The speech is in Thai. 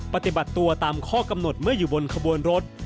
ปฏิบัติตัวตามข้อกำหนดเมื่ออยู่บนขบวนรถ